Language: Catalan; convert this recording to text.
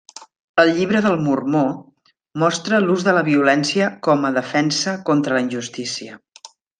El Llibre del Mormó mostra l'ús de la violència com a defensa contra la injustícia.